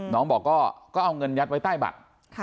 น้องบอกก็เอาเงินยัดไว้ใต้บัตร